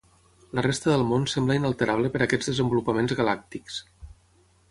La resta del món sembla inalterable per aquests desenvolupaments galàctics.